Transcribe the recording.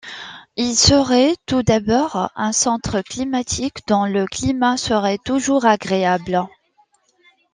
Il serait, tout d'abord, un centre climatique dont le climat serait toujours agréable.